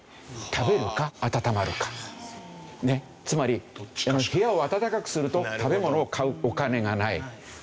つまり部屋を暖かくすると食べ物を買うお金がない。